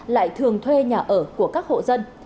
lại thường thuê nhà ở của các hộ dân